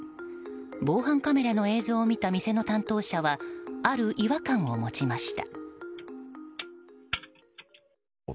防犯カメラの映像を見た店の担当者はある違和感を持ちました。